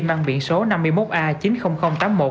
mang biển số năm mươi một a chín mươi nghìn tám mươi một